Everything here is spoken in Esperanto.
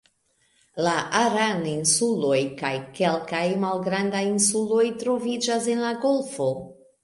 La Aran-insuloj kaj kelkaj malgrandaj insuloj troviĝas en la golfo.